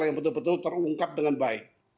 yang betul betul terungkap dengan baik